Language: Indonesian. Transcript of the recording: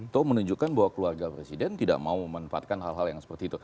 itu menunjukkan bahwa keluarga presiden tidak mau memanfaatkan hal hal yang seperti itu